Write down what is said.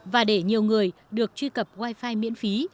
và để nhiều người được truy cập wi fi miễn phí